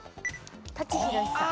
舘ひろしさん。